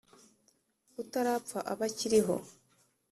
Utarapfa aba akiriho.